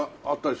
あっ！